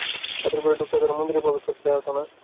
তাদের ঘরে ঢুকতে দেয়া হতো না, মন্দিরে প্রবেশ করতে দেয়া হতো না।